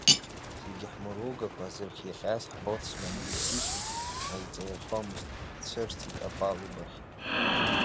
Зегьы ҳмыругақәа зырхиахьаз ҳбоцман Лисихин ҳаиҵаирхомызт, ҳцәырҵит апалубахь.